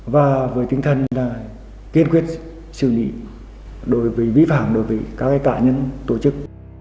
và với tinh thần kiến quyết xử lý đối với ví phạm đối với các cái cả nhân tổ chức